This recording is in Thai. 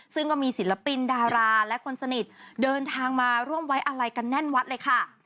ซึ่งก็มีศิลปินดาราและคนสนิทเดินทางมาร่วมไว้อะไรกันแน่นวัดเลยค่ะ